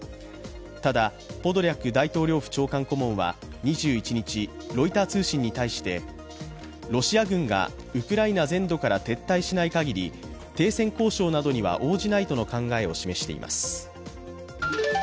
ただポドリャク大統領府長官顧問は２１日、ロイター通信に対して、ロシア軍がウクライナ全土から撤退しないかぎり、停戦交渉などには応じないとの考えを示しています。